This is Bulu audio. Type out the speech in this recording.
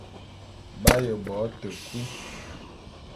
Ba b'aye bo te kui.